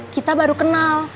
kita baru kenal